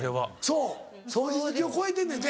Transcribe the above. そう掃除好きを超えてんねんて。